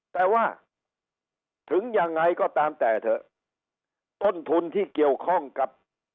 แต่ว่าถึงยังไงก็ตามแต่เถอะต้นทุนที่เกี่ยวข้องกับ